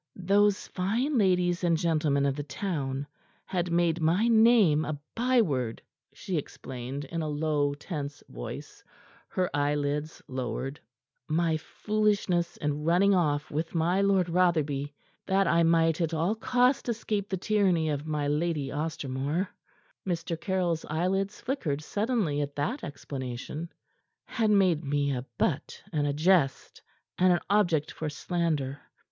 "Those fine ladies and gentlemen of the town had made my name a by word," she explained in a low, tense voice, her eyelids lowered. "My foolishness in running off with my Lord Rotherby that I might at all cost escape the tyranny of my Lady Ostermore" (Mr. Caryll's eyelids flickered suddenly at that explanation) "had made me a butt and a jest and an object for slander.